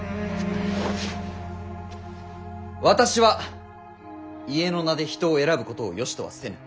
私は家の名で人を選ぶことをよしとはせぬ。